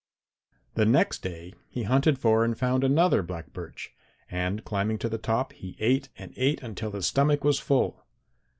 "The next day he hunted for and found another black birch, and climbing to the top, he ate and ate until his stomach was full.